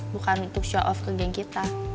bukan untuk show off ke geng kita